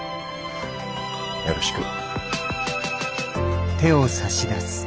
よろしく。